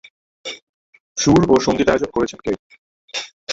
সুর ও সংগীতায়োজন করেছেন কে?